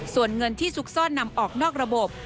ส่วนเงินที่ซุกซ่อนนำออกนอกระบบ